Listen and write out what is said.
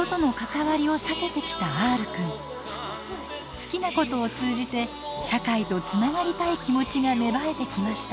好きなことを通じて社会とつながりたい気持ちが芽生えてきました。